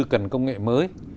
cần công nghệ mới